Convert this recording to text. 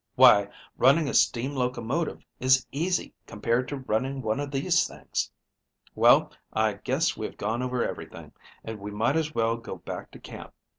Why, running a steam locomotive is easy compared to running one of these things. Well, I guess we have gone over everything, and we might as well go back to camp.